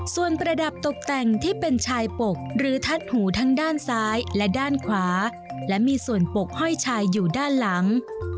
ส่วนประดับตกแต่งที่เป็นชายปกหรือทัดหูทั้งด้านซ้ายและด้านขวาและมีส่วนปกห้อยชายอยู่ด้านหลัง